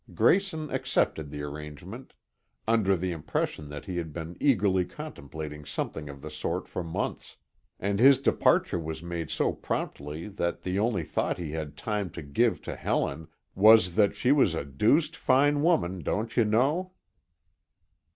Grayson accepted the arrangement, under the impression that he had been eagerly contemplating something of the sort for months, and his departure was made so promptly that the only thought he had time to give to Helen was that she was a "dooced fine woman, don't you know."